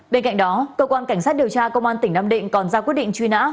bên cạnh đó cơ quan cảnh sát điều tra công an tỉnh nam định còn ra quyết định truy nã